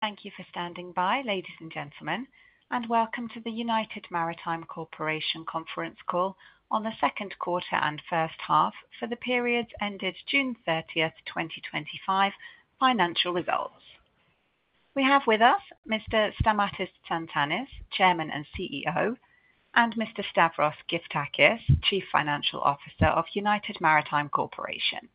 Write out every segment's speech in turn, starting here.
Thank you for standing by, ladies and gentlemen, and welcome to the United Maritime Corporation Conference Call on the second quarter and first half for the periods ended June 30th, 2025, financial results. We have with us Mr. Stamatios Tsantanis, Chairman and CEO, and Mr. Stavros Gyftakis, Chief Financial Officer of United Maritime Corporation.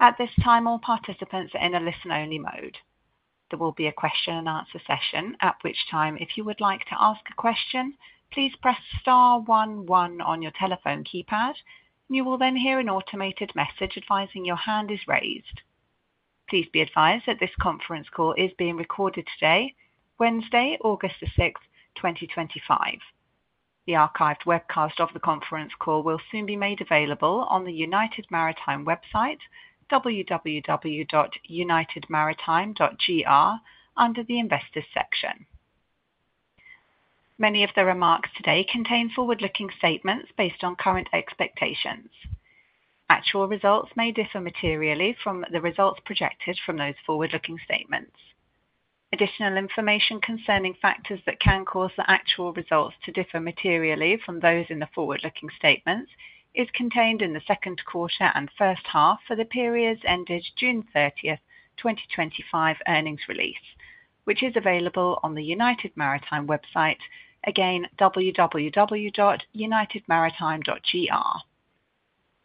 At this time, all participants are in a listen-only mode. There will be a question and answer session, at which time, if you would like to ask a question, please press star one one on your telephone keypad, and you will then hear an automated message advising your hand is raised. Please be advised that this conference call is being recorded today, Wednesday, August 6, 2025. The archived webcast of the conference call will soon be made available on the United Maritime website, www.unitedmaritime.gr, under the Investors section. Many of the remarks today contain forward-looking statements based on current expectations. Actual results may differ materially from the results projected from those forward-looking statements. Additional information concerning factors that can cause the actual results to differ materially from those in the forward-looking statements is contained in the second quarter and first half for the periods ended June 30th, 2025, earnings release, which is available on the United Maritime website, again www.unitedmaritime.gr.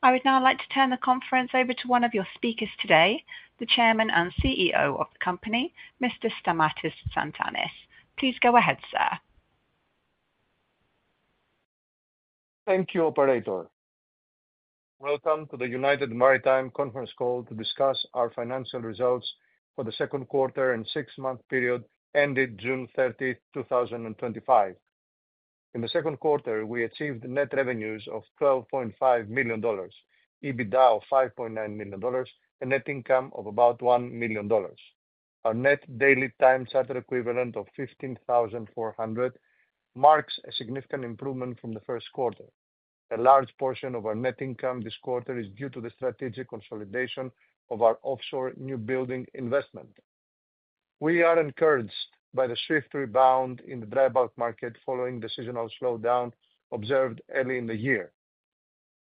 I would now like to turn the conference over to one of your speakers today, the Chairman and CEO of the company, Mr. Stamatis Tsantanis. Please go ahead, sir. Thank you, Operator. Welcome to the United Maritime Conference Call to discuss our financial results for the second quarter and six-month period ended June 30th, 2025. In the second quarter, we achieved net revenues of $12.5 million, EBITDA of $5.9 million, and net income of about $1 million. Our net daily time-charter equivalent of $15,400 marks a significant improvement from the first quarter. A large portion of our net income this quarter is due to the strategic consolidation of our offshore energy construction vessel new building investment. We are encouraged by the swift rebound in the dry bulk market following the seasonal slowdown observed early in the year.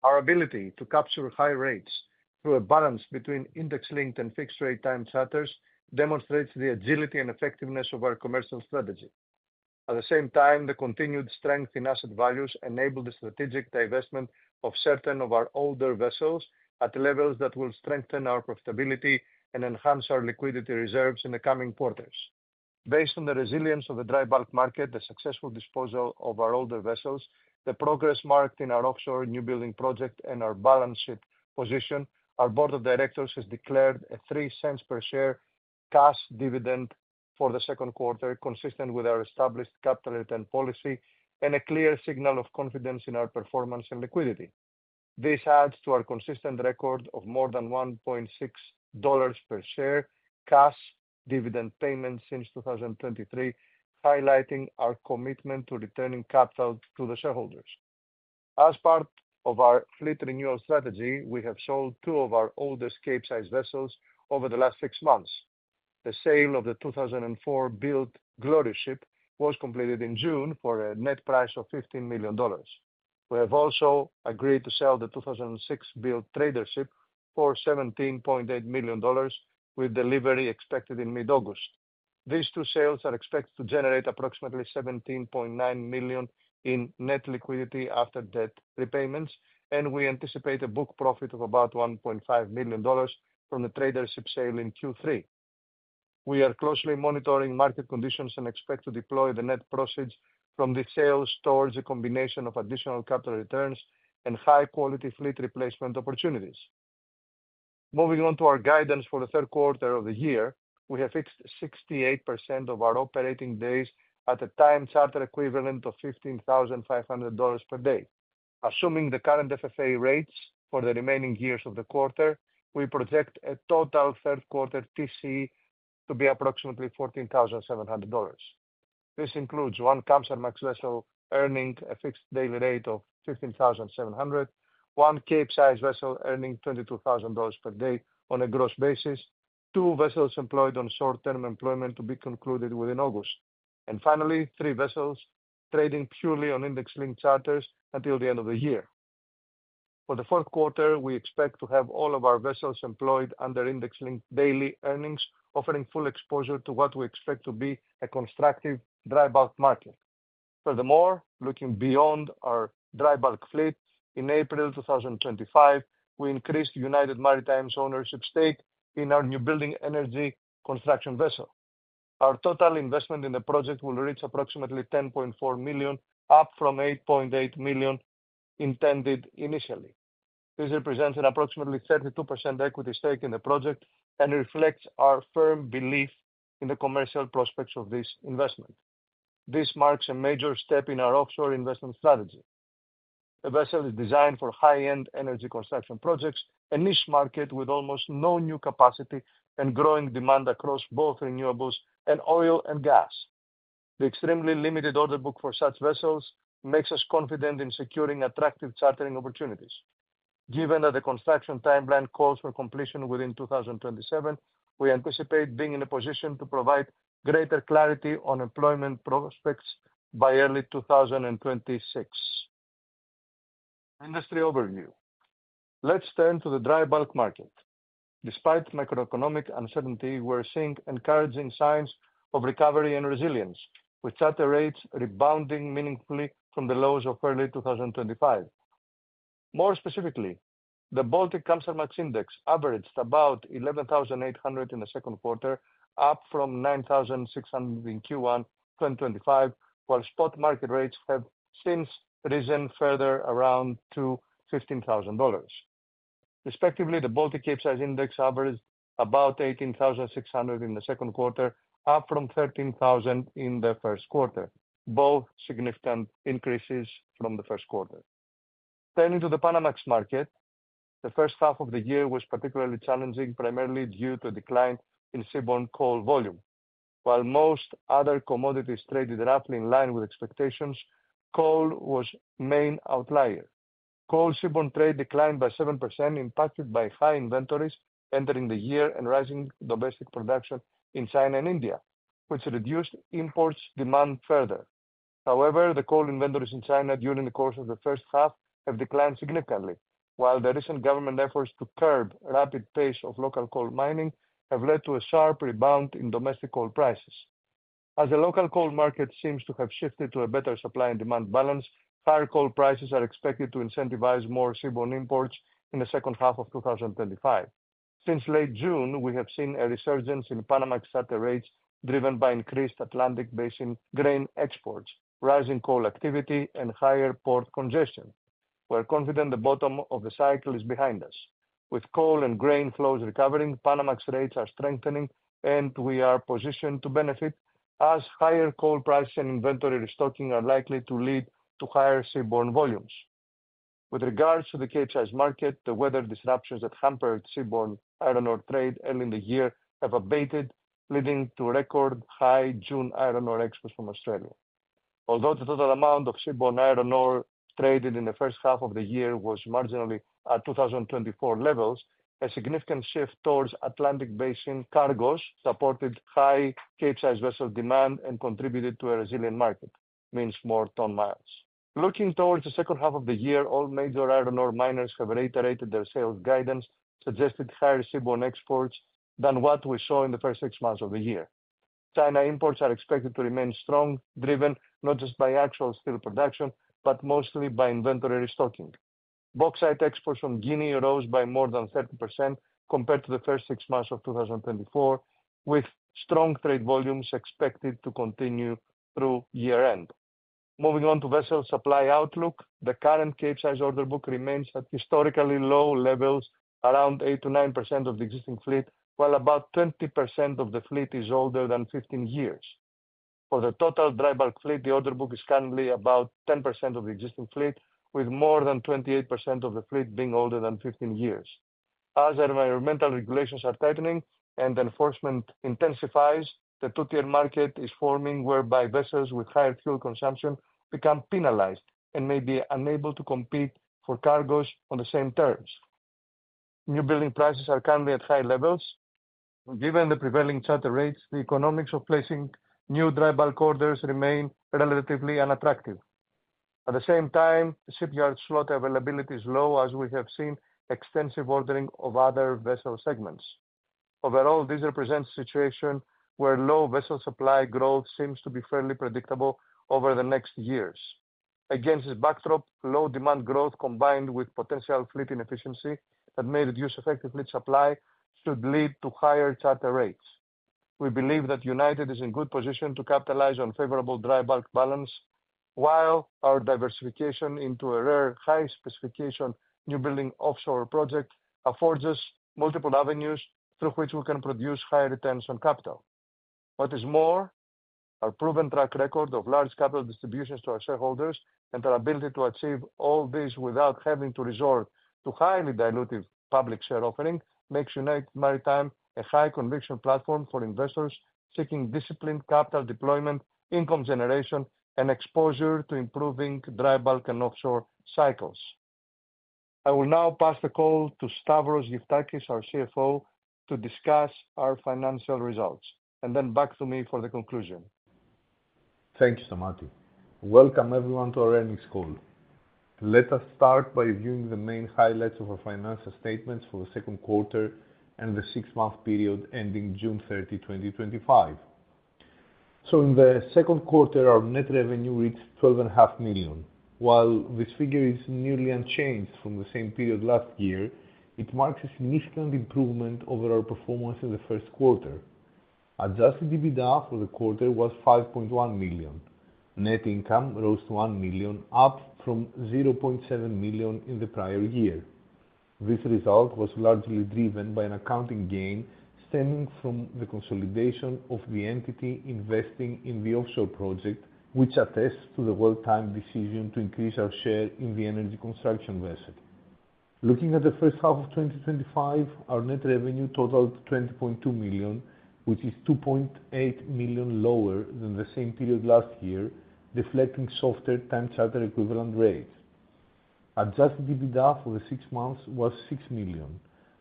Our ability to capture high charter rates through a balance between index-linked exposure and fixed-rate time-charter demonstrates the agility and effectiveness of our commercial strategy. At the same time, the continued strength in asset values enabled the strategic divestment of certain of our older vessels at levels that will strengthen our profitability and enhance our liquidity reserves in the coming quarters. Based on the resilience of the dry bulk market, the successful disposal of our older vessels, the progress marked in our offshore energy construction vessel new building project, and our balance sheet position, our Board of Directors has declared a $0.03 per share cash dividend for the second quarter, consistent with our established capital return policy and a clear signal of confidence in our performance and liquidity. This adds to our consistent record of more than $1.6 per share cash dividend payments since 2023, highlighting our commitment to returning capital to the shareholders. As part of our split renewal strategy, we have sold two of our older capesize vessels over the last six months. The sale of the 2004-built Gloriuship was completed in June for a net price of $15 million. We have also agreed to sell the 2006-built Tradership for $17.8 million, with delivery expected in mid-August. These two sales are expected to generate approximately $17.9 million in net liquidity after debt repayments, and we anticipate a book profit of about $1.5 million from the Tradership sale in Q3. We are closely monitoring market conditions and expect to deploy the net proceeds from these sales towards a combination of additional capital returns and high-quality fleet replacement opportunities. Moving on to our guidance for the third quarter of the year, we have fixed 68% of our operating days at a time-charter equivalent of $15,500 per day. Assuming the current FFA rates for the remaining years of the quarter, we project a total third-quarter TC to be approximately $14,700. This includes one Kamsarmax vessel earning a fixed daily rate of $15,700, one Capesize vessel earning $22,000 per day on a gross basis, two vessels employed on short-term employment to be concluded within August, and finally, three vessels trading purely on index-linked charters until the end of the year. For the fourth quarter, we expect to have all of our vessels employed under index-linked daily earnings, offering full exposure to what we expect to be a constructive dry bulk market. Furthermore, looking beyond our dry bulk fleet, in April 2025, we increased United Maritime's ownership stake in our newbuilding offshore energy construction vessel. Our total investment in the project will reach approximately $10.4 million, up from $8.8 million intended initially. This represents an approximately 32% equity stake in the project and reflects our firm belief in the commercial prospects of this investment. This marks a major step in our offshore investment strategy. The vessel is designed for high-end energy construction projects, a niche market with almost no new capacity and growing demand across both renewables and oil and gas. The extremely limited order book for such vessels makes us confident in securing attractive chartering opportunities. Given that the construction timeline calls for completion within 2027, we anticipate being in a position to provide greater clarity on employment prospects by early 2026. Industry overview. Let's turn to the dry bulk market. Despite macroeconomic uncertainty, we're seeing encouraging signs of recovery and resilience, with charter rates rebounding meaningfully from the lows of early 2025. More specifically, the Baltic Kamsarax Index averaged about $11,800 in the second quarter, up from $9,600 in Q1 2025, while spot market rates have since risen further around $15,000. Respectively, the Baltic Kamsarax Index averaged about $18,600 in the second quarter, up from $13,000 in the first quarter, both significant increases from the first quarter. Turning to the Panamax market, the first half of the year was particularly challenging, primarily due to a decline in seaborne coal volume. While most other commodities traded roughly in line with expectations, coal was the main outlier. Coal seaborne trade declined by 7%, impacted by high inventories entering the year and rising domestic production in China and India, which reduced imports' demand further. However, the coal inventories in China during the course of the first half have declined significantly, while the recent government efforts to curb the rapid pace of local coal mining have led to a sharp rebound in domestic coal prices. As the local coal market seems to have shifted to a better supply and demand balance, higher coal prices are expected to incentivize more seaborne imports in the second half of 2025. Since late June, we have seen a resurgence in Panamax charter rates, driven by increased Atlantic Basin grain exports, rising coal activity, and higher port congestion. We're confident the bottom of the cycle is behind us. With coal and grain flows recovering, Panamax rates are strengthening, and we are positioned to benefit, as higher coal prices and inventory restocking are likely to lead to higher seaborne volumes. With regards to the capesize market, the weather disruptions that hampered seaborne iron ore trade ending the year have abated, leading to record-high June iron ore exports from Australia. Although the total amount of seaborne iron ore traded in the first half of the year was marginally at 2024 levels, a significant shift towards Atlantic Basin cargos supported high capesize vessel demand and contributed to a resilient market. Means more ton miles. Looking towards the second half of the year, all major iron ore miners have reiterated their sales guidance, suggesting higher seaborne exports than what we saw in the first six months of the year. China imports are expected to remain strong, driven not just by actual steel production, but mostly by inventory restocking. Bauxite exports from Guinea rose by more than 30% compared to the first six months of 2024, with strong trade volumes expected to continue through year-end. Moving on to vessel supply outlook, the current capesize order book remains at historically low levels, around 8% to 9% of the existing fleet, while about 20% of the fleet is older than 15 years. For the total dry bulk fleet, the order book is currently about 10% of the existing fleet, with more than 28% of the fleet being older than 15 years. As environmental regulations are tightening and enforcement intensifies, the two-tier market is forming, whereby vessels with higher fuel consumption become penalized and may be unable to compete for cargos on the same terms. New building prices are currently at high levels. Given the prevailing charter rates, the economics of placing new dry bulk orders remain relatively unattractive. At the same time, shipyard slot availability is low, as we have seen extensive ordering of other vessel segments. Overall, this represents a situation where low vessel supply growth seems to be fairly predictable over the next years. Against this backdrop, low demand growth, combined with potential fleet inefficiency that may reduce effective fleet supply, should lead to higher charter rates. We believe that United is in a good position to capitalize on favorable dry bulk balance, while our diversification into a rare high-specification new building offshore project affords us multiple avenues through which we can produce high returns on capital. What is more, our proven track record of large capital distributions to our shareholders and our ability to achieve all this without having to resort to highly diluted public share offering makes United Maritime a high conviction platform for investors seeking disciplined capital deployment, income generation, and exposure to improving dry bulk and offshore cycles. I will now pass the call to Stavros Gyftakis, our CFO, to discuss our financial results, and then back to me for the conclusion. Thank you, Stamatios. Welcome everyone to our earnings call. Let us start by reviewing the main highlights of our financial statements for the second quarter and the six-month period ending June 30, 2025. In the second quarter, our net revenue reached $12.5 million. While this figure is nearly unchanged from the same period last year, it marks a significant improvement over our performance in the first quarter. Adjusted EBITDA for the quarter was $5.1 million. Net income rose to $1 million, up from $0.7 million in the prior year. This result was largely driven by an accounting gain stemming from the consolidation of the entity investing in the offshore project, which attests to the well-timed decision to increase our share in the energy construction vessel. Looking at the first half of 2025, our net revenue totaled $20.2 million, which is $2.8 million lower than the same period last year, reflecting softer time-charter equivalent rates. Adjusted EBITDA for the six months was $6 million.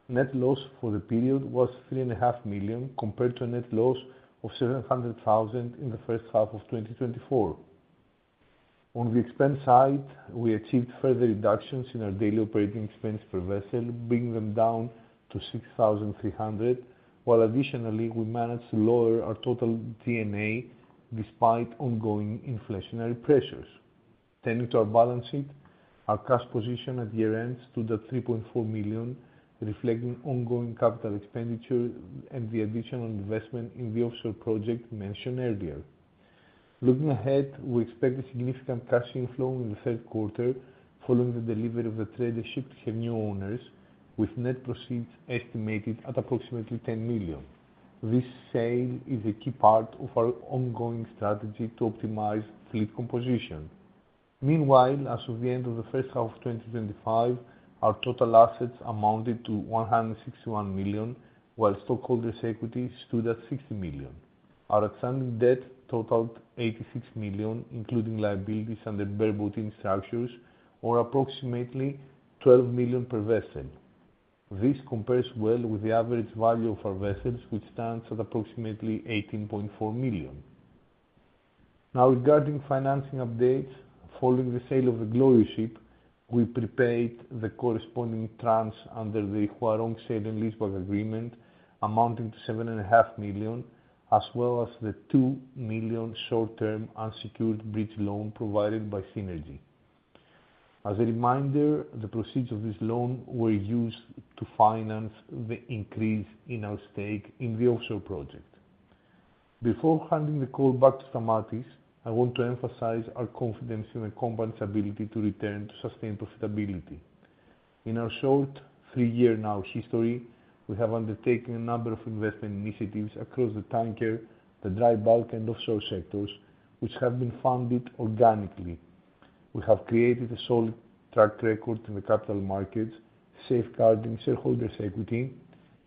Net loss for the period was $3.5 million, compared to a net loss of $0.7 million in the first half of 2024. On the expense side, we achieved further reductions in our daily operating expense per vessel, bringing them down to $6,300, while additionally, we managed to lower our total T&A despite ongoing inflationary pressures. Turning to our balance sheet, our cash position at year-end stood at $3.4 million, reflecting ongoing capital expenditure and the additional investment in the offshore project mentioned earlier. Looking ahead, we expect a significant cash inflow in the third quarter following the delivery of the Tradership to her new owners, with net proceeds estimated at approximately $10 million. This sale is a key part of our ongoing strategy to optimize fleet composition. Meanwhile, as of the end of the first half of 2025, our total assets amounted to $161 million, while stockholders' equity stood at $60 million. Our outstanding debt totaled $86 million, including liabilities and the bareboating charges, or approximately $12 million per vessel. This compares well with the average value of our vessels, which stands at approximately $18.4 million. Now, regarding financing updates, following the sale of the Glory ship, we prepaid the corresponding tranche under the Huarong Sale and Leaseback agreement, amounting to $7.5 million, as well as the $2 million short-term unsecured bridge loan provided by Synergy. As a reminder, the proceeds of this loan were used to finance the increase in our stake in the offshore project. Before handing the call back to Stamatios, I want to emphasize our confidence in the company's ability to return to sustained profitability. In our short three-year now history, we have undertaken a number of investment initiatives across the tanker, the dry bulk, and offshore sectors, which have been funded organically. We have created a solid track record in the capital markets, safeguarding shareholders' equity,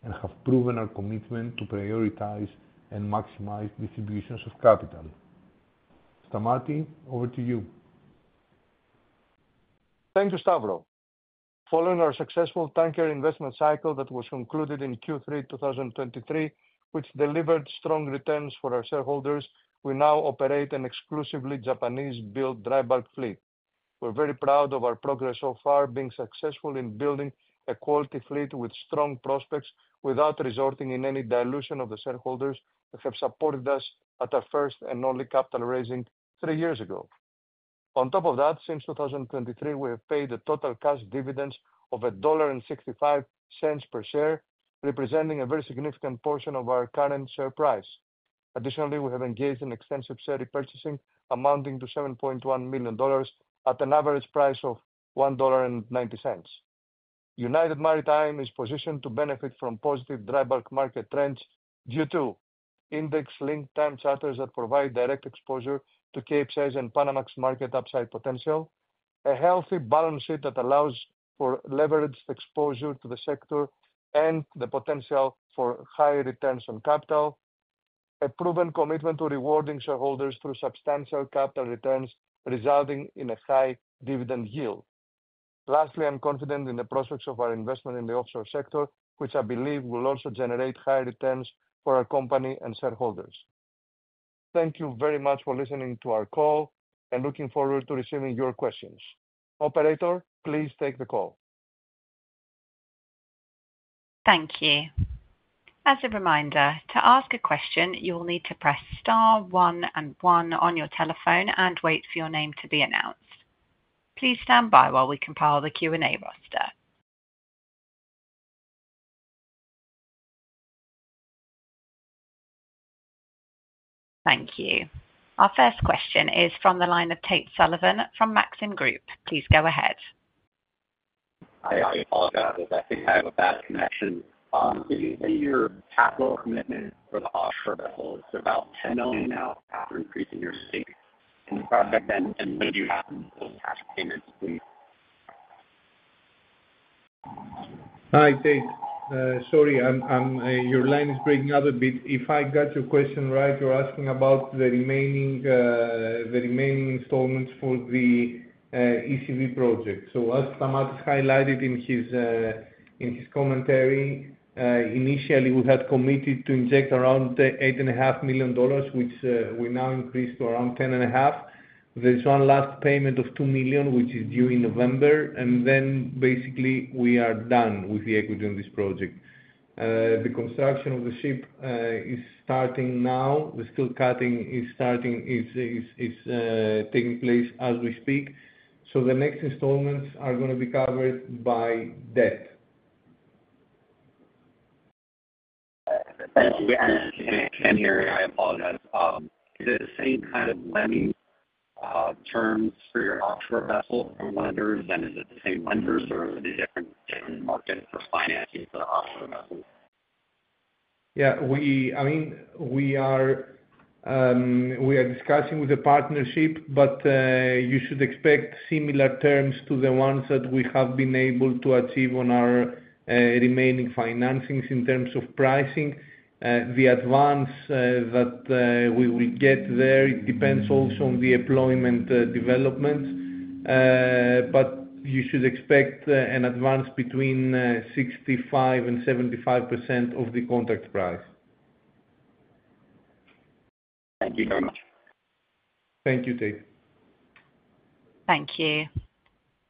and have proven our commitment to prioritize and maximize distributions of capital. Stamatis, over to you. Thank you, Stavros. Following our successful tanker investment cycle that was concluded in Q3 2023, which delivered strong returns for our shareholders, we now operate an exclusively Japanese-built dry bulk fleet. We're very proud of our progress so far, being successful in building a quality fleet with strong prospects without resorting to any dilution of the shareholders who have supported us at our first and only capital raising three years ago. On top of that, since 2023, we have paid the total cash dividends of $1.65 per share, representing a very significant portion of our current share price. Additionally, we have engaged in extensive share repurchasing, amounting to $7.1 million at an average price of $1.90. United Maritime is positioned to benefit from positive dry bulk market trends due to index-linked time charters that provide direct exposure to capesize and Panamax market upside potential, a healthy balance sheet that allows for leveraged exposure to the sector, and the potential for high returns on capital, a proven commitment to rewarding shareholders through substantial capital returns resulting in a high dividend yield. Lastly, I'm confident in the prospects of our investment in the offshore sector, which I believe will also generate high returns for our company and shareholders. Thank you very much for listening to our call and looking forward to receiving your questions. Operator, please take the call. Thank you. As a reminder, to ask a question, you will need to press star one and one on your telephone and wait for your name to be announced. Please stand by while we compile the Q&A roster. Thank you. Our first question is from the line of Tate Sullivan from Maxim Group. Please go ahead. Hi, I apologize. I think I have a bad connection. Could you say your capital commitment for the offshore vessel? It's about $10 million after increasing your fleet. The project ends in mid-June. Can you repeat that? Hi, Tate. Sorry, your line is breaking up a bit. If I got your question right, you're asking about the remaining installments for the ECV project. As Stamatios highlighted in his commentary, initially, we had committed to inject around $8.5 million, which we now increased to around $10.5 million. There's one last payment of $2 million, which is due in November, and then basically we are done with the equity in this project. The construction of the ship is starting now. The steel cutting is taking place as we speak. The next installments are going to be covered by debt. Thank you. I apologize. Is it the same kind of lending terms for your offshore energy construction vessel or lenders, and is it the same lenders or is it a different market for financing for the offshore energy construction vessel? We are discussing with a partnership, but you should expect similar terms to the ones that we have been able to achieve on our remaining financings in terms of pricing. The advance that we will get there depends also on the deployment developments, but you should expect an advance between 65% and 75% of the contract price. Thank you, Tate. Thank you, Tate. Thank you.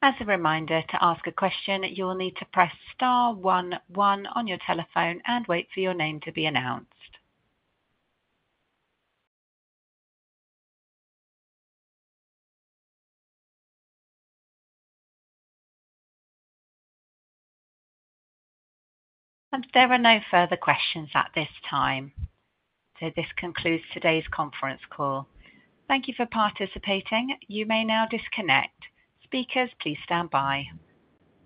As a reminder, to ask a question, you will need to press star one one on your telephone and wait for your name to be announced. There are no further questions at this time. This concludes today's conference call. Thank you for participating. You may now disconnect. Speakers, please stand by.